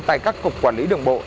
tại các cục quản lý đường bộ